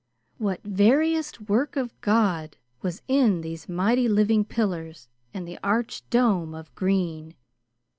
What veriest work of God was in these mighty living pillars and the arched dome of green!